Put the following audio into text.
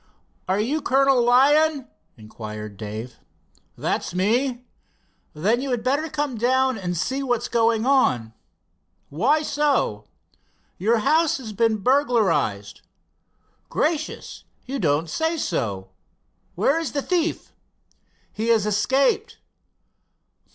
"Are you Colonel Lyon?" inquired Dave. "That's me." "Then you had better come down and see what's going on." "Why so?" "Your house has been burglarized." "Gracious I you don't say so. Where is the thief?" "He has escaped."